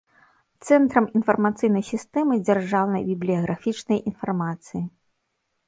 Цэнтрам iнфармацыйнай сiстэмы дзяржаўнай бiблiяграфiчнай iнфармацыi.